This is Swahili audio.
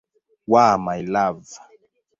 wa "My Love".